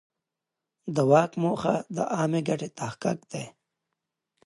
د واک موخه د عامه ګټې تحقق دی.